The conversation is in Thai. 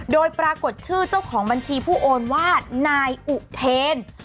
โดยปรากฏชื่อเจ้าของบัญชีผู้โอนว่านายอุเทน